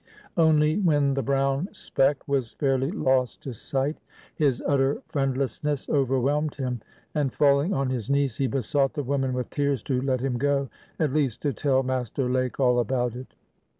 Only when the brown speck was fairly lost to sight, his utter friendlessness overwhelmed him, and falling on his knees he besought the woman with tears to let him go,—at least to tell Master Lake all about it.